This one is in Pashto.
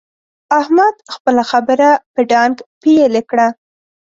احمد خپله خبره په ډانګ پېيلې کړه.